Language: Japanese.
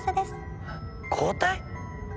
交代！？